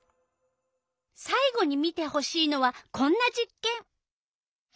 さい後に見てほしいのはこんな実けん。